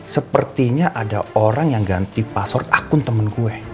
sepertinya ada orang yang ganti password akun temen gue